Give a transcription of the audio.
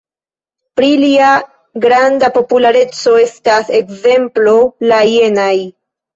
Pri lia granda populareco estas ekzemplo la jenaj.